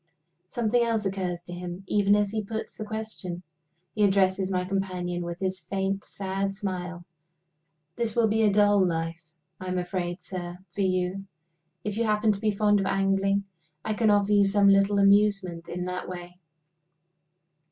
Something else occurs to him, even as he puts the question. He addresses my companion, with his faint, sad smile. "This will be a dull life, I am afraid, sir, for you. If you happen to be fond of angling, I can offer you some little amusement in that way.